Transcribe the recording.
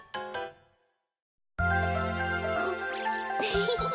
フフフ。